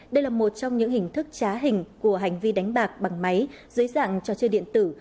đây là một trong những hình thức trá hình của hành vi đánh bạc bằng máy dưới dạng trò chơi điện tử